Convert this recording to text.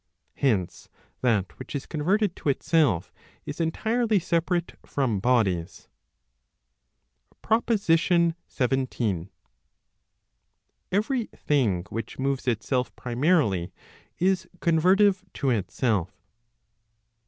Hence, that which is converted to itself, is entirely separate from bodies. PROPOSITION XVII. Every thing which moves itself primarily, is convertive to itself.